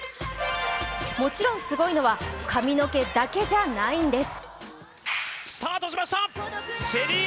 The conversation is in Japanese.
もちろんすごいのは髪の毛だけじゃないんです。